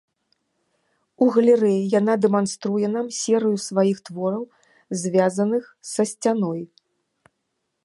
У галерэі яна дэманструе нам серыю сваіх твораў, звязаных са сцяной.